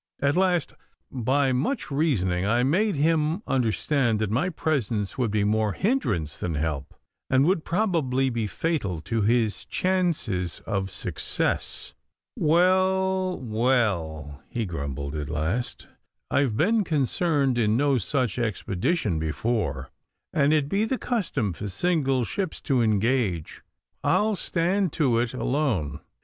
At last by much reasoning I made him understand that my presence would be more hindrance than help, and would probably be fatal to his chances of success. 'Well, well,' he grumbled at last, 'I've been concerned in no such expedition before. An' it be the custom for single ships to engage, I'll stand to it alone.